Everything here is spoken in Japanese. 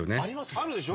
あるでしょ？